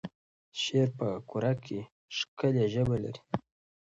شعر په کره کېښکلې ژبه لري.